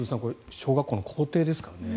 小学校の校庭ですからね。